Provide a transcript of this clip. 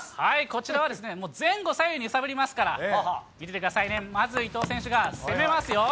こちらは、前後左右に揺さぶりますから、見ててくださいね、まず伊藤選手が攻めますよ。